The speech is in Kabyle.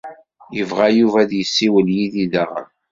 Yebɣa Yuba ad yessiwel yid-i daɣen.